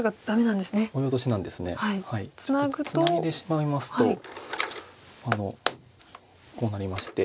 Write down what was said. ちょっとツナいでしまいますとこうなりまして。